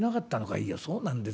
「いやそうなんですよ。